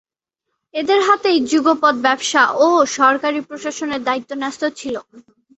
এদের হাতেই যুগপৎ ব্যবসা ও সরকারি প্রশাসনের দায়িত্ব ন্যস্ত ছিল।